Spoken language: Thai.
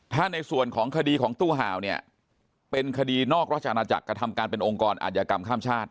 ถ้าในส่วนของคดีของตู้ห่าวเนี่ยเป็นคดีนอกราชอาณาจักรกระทำการเป็นองค์กรอาธิกรรมข้ามชาติ